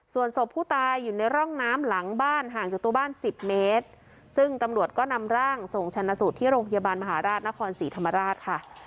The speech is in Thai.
ส่วนศพผู้ตายอยู่ในร่องน้ำหลังบ้านห่างจากตัวบ้านสิบเมตรซึ่งตำรวจก็นำร่างส่งชนะสูตรที่โรงพยาบาลมหาราชนครศรีธรรมราชค่ะ